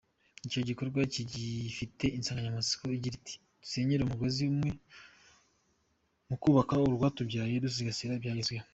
Icyo gikorwa gifite insanganyamatsiko igira iti “ Dusenyere umugozi umwe mu kubaka urwatubyaye, dusigasira ibyagezweho.